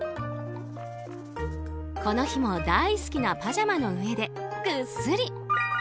この日も大好きなパジャマの上でぐっすり。